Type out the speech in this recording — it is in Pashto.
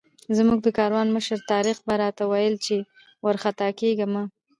زموږ د کاروان مشر طارق به راته ویل چې وارخطا کېږه مه.